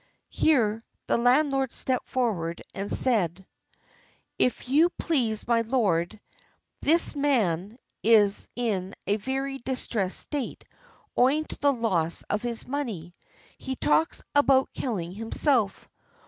Here the landlord stepped forward and said: "If you please, my lord, this man is in a very distressed state owing to the loss of his money. He talks about killing himself.